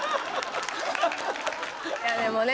いやでもね。